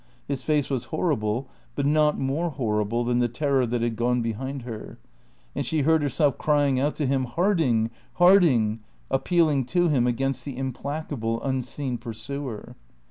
His face was horrible, but not more horrible than the Terror that had gone behind her; and she heard herself crying out to him, "Harding! Harding!" appealing to him against the implacable, unseen Pursuer.